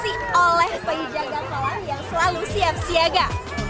di oleh penjaga kolam yang selalu siap siaga